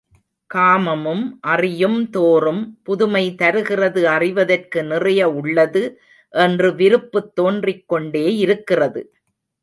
காமமும் அறியும்தோறும் புதுமை தருகிறது அறிவதற்கு நிறைய உள்ளது என்று விருப்புத் தோன்றிக்கொண்டே இருக்கிறது.